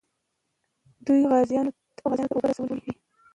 دوی غازیانو ته اوبه رسولې وې.